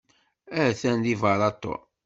Atan deg beṛṛa Tom.